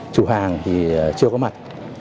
chủ hàng thì chưa có mặt